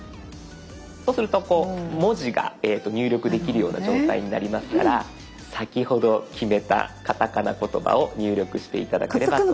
そうすると文字が入力できるような状態になりますから先ほど決めたカタカナ言葉を入力して頂ければと。